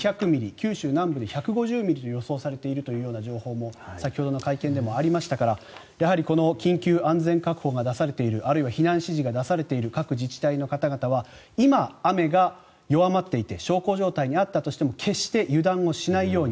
九州南部で１５０ミリと予想されているという情報も先ほどの会見でもありましたからやはりこの緊急安全確保が出されているあるいは避難指示が出されている各自治体の方々は今、雨が弱まっていて小康状態にあったとしても決して油断をしないように。